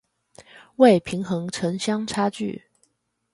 為平衡城鄉差距